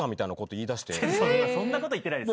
そんなこと言ってないです。